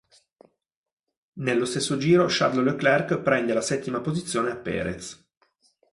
Nello stesso giro Charles Leclerc prende la settima posizione a Pérez.